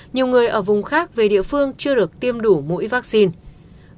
nhiều người ở vùng khác về địa phương chưa được tiêm đủ mũi vaccine